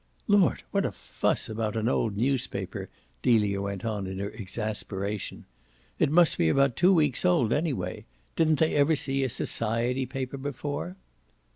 "Lord, what a fuss about an old newspaper!" Delia went on in her exasperation. "It must be about two weeks old anyway. Didn't they ever see a society paper before?"